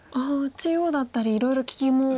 中央だったりいろいろ利きも。